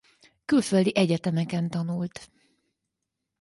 Külföldi egyetemeken tanult.